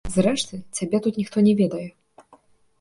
Зрэшты, цябе тут ніхто не ведае.